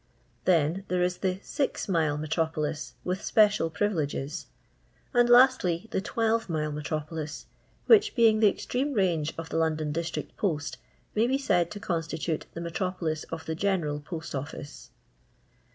Then there is the six mile Metropolis with special privileges. And lastly, the ivelve miie Metropolis, which, being the extreme range of the London District Post, may be said to constitute the metropolis of the General Post Office.